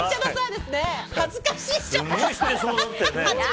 恥ずかしい！